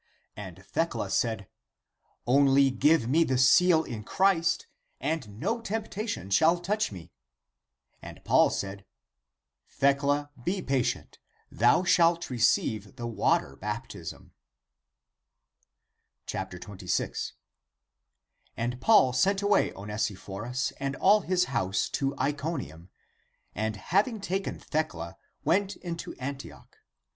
And Thecla said, " Only give me the seal in Christ, and no temptation shall touch me." And Paul said, " Thecla, be pa tient, thou shalt receive the water [baptism]." ^^ 26. And Paul sent away Onesiphorus and all his house to Iconium ; and having taken Thecla, went into Antioch.